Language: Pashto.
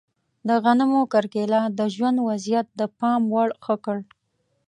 د غنمو کرکیله د ژوند وضعیت د پام وړ ښه کړ.